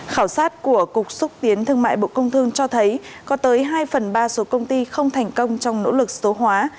khảo sát của cục xúc tiến thương mại bộ công thương cho thấy có tới hai phần ba số công ty không thành công trong nỗ lực số hóa